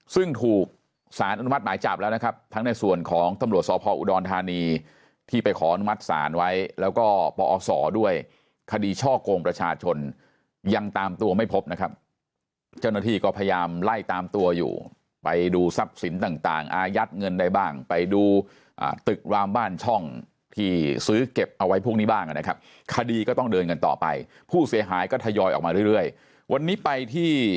ซึ่งถูกสารอนุมัติหมายจับแล้วนะครับทั้งในส่วนของตำรวจสพอุดรธานีที่ไปขออนุมัติศาลไว้แล้วก็ปอศด้วยคดีช่อกงประชาชนยังตามตัวไม่พบนะครับเจ้าหน้าที่ก็พยายามไล่ตามตัวอยู่ไปดูทรัพย์สินต่างอายัดเงินได้บ้างไปดูตึกรามบ้านช่องที่ซื้อเก็บเอาไว้พวกนี้บ้างนะครับคดีก็ต้องเดินกันต่อไปผู้เสียหายก็ทยอยออกมาเรื่อยวันนี้ไปที่